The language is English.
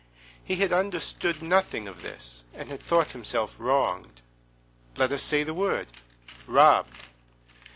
He had understood nothing of this, and had thought himself wronged. Let us say the word—robbed.